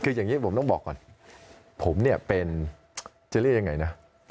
คืออย่างนี้ผมต้องบอกก่อนผมเนี่ยเป็นจะเรียกยังไงนะ